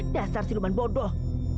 dasar siluman bodoh